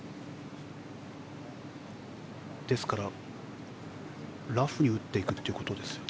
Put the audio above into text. ですから、ラフに打っていくということですね。